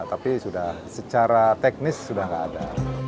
tapi sudah secara teknis sudah tidak ada